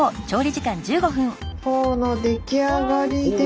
フォーの出来上がりです。